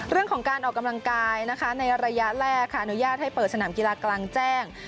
เรื่องของการออกกำลังกายนะคะในระยะแรกค่ะอนุญาตให้เปิดสนามกีฬากลางแจ้ง